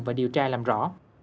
và điều tra làm rõ